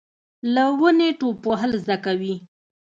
له ونې ټوپ وهل زده کوي .